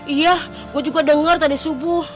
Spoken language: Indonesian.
iya gue juga dengar tadi subuh